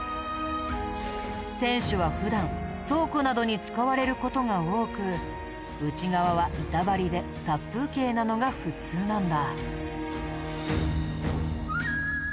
天守は普段倉庫などに使われる事が多く内側は板張りで殺風景なのが普通なんだ。